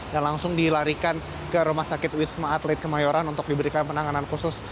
dan langsung dilarikan ke rumah sakit wisma atlet kemayoran untuk diberikan penanganan khusus